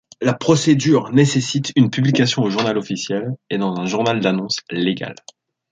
La procédure nécessite une publication au Journal officiel et dans un journal d'annonces légales.